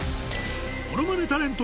ものまねタレント